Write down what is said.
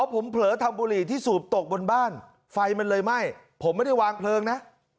ผมเผลอทำบุหรี่ที่สูบตกบนบ้านไฟมันเลยไหม้ผมไม่ได้วางเพลิงนะ